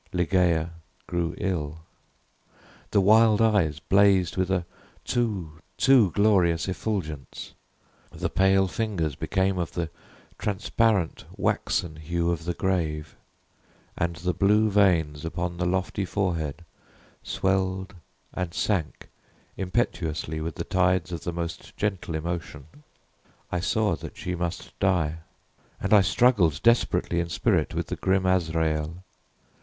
Ligeia grew ill. The wild eyes blazed with a too too glorious effulgence; the pale fingers became of the transparent waxen hue of the grave; and the blue veins upon the lofty forehead swelled and sank impetuously with the tides of the most gentle emotion. I saw that she must die and I struggled desperately in spirit with the grim Azrael.